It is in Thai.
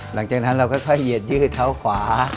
หลังจากนั้นเราค่อยเหยียดยืดเท้าขวา